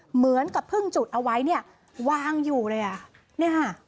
เหมือนกับเพิ่งจุดเอาไว้เนี่ยวางอยู่เลยอ่ะเนี่ยค่ะ